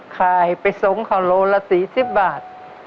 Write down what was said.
ขายไปส่งเขาโลละ๔๐บาท